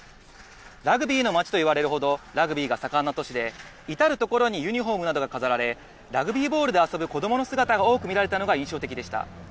ラグビーの街といわれるほどラグビーが盛んな都市で、至る所にユニホームなどが飾られ、ラグビーボールで遊ぶ子どもの姿が多く見られたのが印象的でした。